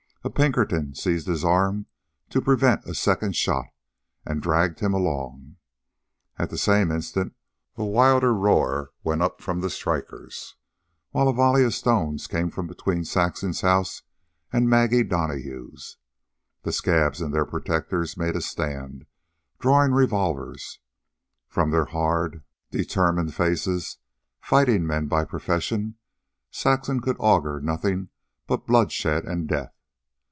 A Pinkerton seized his arm to prevent a second shot, and dragged him along. At the same instant a wilder roar went up from the strikers, while a volley of stones came from between Saxon's house and Maggie Donahue's. The scabs and their protectors made a stand, drawing revolvers. From their hard, determined faces fighting men by profession Saxon could augur nothing but bloodshed and death.